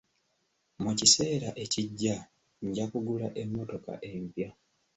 Mu kiseera ekijja nja kugula emmotoka empya.